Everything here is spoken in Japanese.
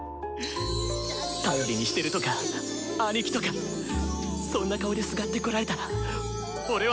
「頼りにしてる」とか「アニキ」とかそんな顔ですがってこられたら俺は。